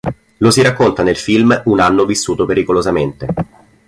Lo si racconta nel film "Un anno vissuto pericolosamente".